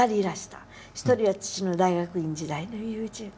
一人は父の大学院時代の友人。